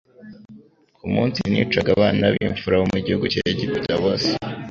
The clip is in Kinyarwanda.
ku munsi nicaga abana b'imfura bo mu gihugu cya Egiputa bose,